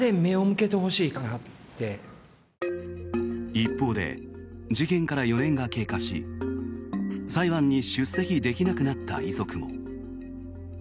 一方で事件から４年が経過し裁判に出席できなくなった遺族も。